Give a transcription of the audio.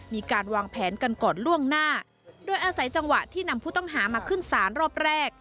มีการวางแผนกันก่อนล่วงหน้าโดยอาศัยจังหวะที่นำผู้ต้องหามาขึ้นศาลรอบแรก